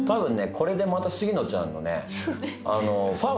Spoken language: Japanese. これでまた杉野ちゃんのね。